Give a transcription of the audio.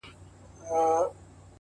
د عِلم تخم ته هواري کړی د زړو کروندې.